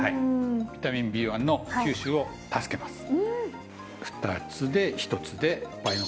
ビタミンＢ１の吸収を助けます。